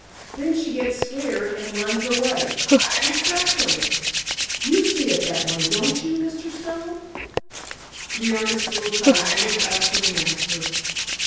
"Then she gets scared and runs away." "Exactly. You see it that way, don't you, Mr. Stone?" The earnest little face looked up to the master.